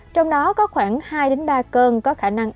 trong đó có khoảng hai ba cơn